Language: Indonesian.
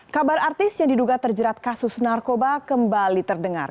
kabar artis yang diduga terjerat kasus narkoba kembali terdengar